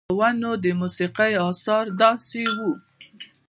پۀ ونو د موسيقۍ اثر داسې وو